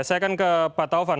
saya akan ke pak taufan